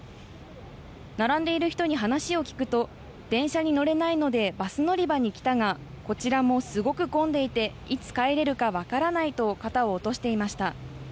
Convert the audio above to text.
並んでいる人に話を聞くと電車に乗れないのでバス乗り場に来たがこちらもすごく混んでいていつ帰れるか分からないと肩を落としていました。